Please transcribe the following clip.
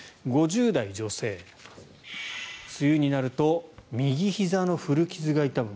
５０代女性、梅雨になると右ひざの古傷が痛む。